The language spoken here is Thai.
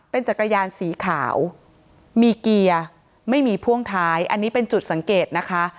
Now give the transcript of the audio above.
เป็นจักรยานสีขาวมีเกียร์ไม่มีพ่วงท้ายอันนี้เป็นจุดสังเกตนะคะ